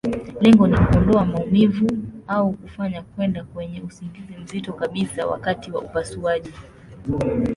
Lengo ni kuondoa maumivu, au kufanya kwenda kwenye usingizi mzito kabisa wakati wa upasuaji.